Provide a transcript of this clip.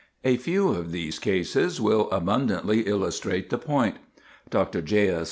A few of these cases will abundantly illustrate the point: Dr. J. S.